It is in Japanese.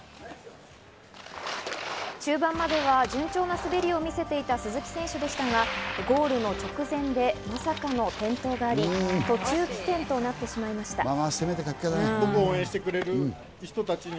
中盤までは順調な滑りを見せていた鈴木選手でしたが、ゴール直前でまさかの転倒があり、途中棄権となってしまいました。